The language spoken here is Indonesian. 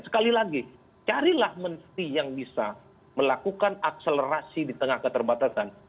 sekali lagi carilah menteri yang bisa melakukan akselerasi di tengah keterbatasan